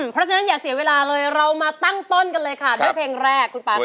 เพราะฉะนั้นอย่าเสียเวลาเลยเรามาตั้งต้นกันเลยค่ะด้วยเพลงแรกคุณป่าค่ะ